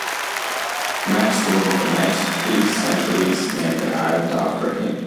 Maps during the next three centuries named the island after him.